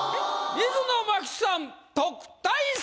水野真紀さん特待生！